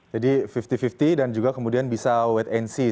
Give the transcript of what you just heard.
jadi lima puluh lima puluh dan juga kemudian bisa wait and see